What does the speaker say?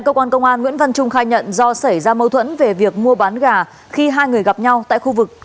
cảm ơn các bạn đã theo dõi và hẹn gặp lại